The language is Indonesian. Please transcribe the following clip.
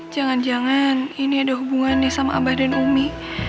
jangan jangan ini ada hubungannya sama abah dan umi